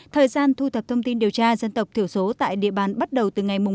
thời gian thu thập thông tin điều tra dân tộc thiểu số tại địa bàn bắt đầu từ ngày một tháng